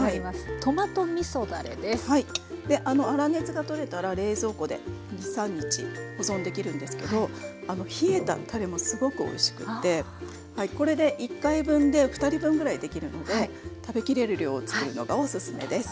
粗熱が取れたら冷蔵庫で２３日保存できるんですけど冷えたたれもすごくおいしくって１回分で２人分ぐらい出来るので食べきれる量を作るのがおすすめです。